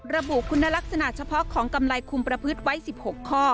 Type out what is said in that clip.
ระบุคุณลักษณะเฉพาะของกำไรคุมประพฤติไว้๑๖ข้อ